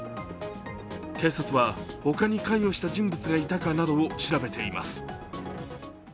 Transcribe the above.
警察は他に関与した人物がいたかなどを調べています。